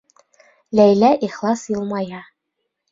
Ләйлә ихлас йылмая.